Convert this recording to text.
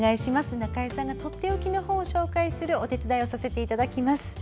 中江さんがとっておきの本を紹介するお手伝いをさせていただきます。